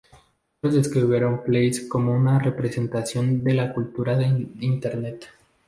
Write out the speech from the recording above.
Otros describieron Place como una representación de la cultura del Internet.